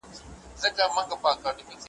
شاعر، ناول لیکونکی `